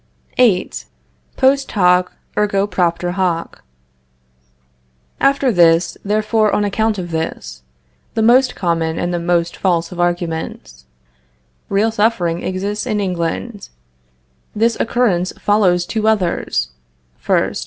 VIII. POST HOC, ERGO PROPTER HOC. "After this, therefore on account of this." The most common and the most false of arguments. Real suffering exists in England. This occurrence follows two others: First.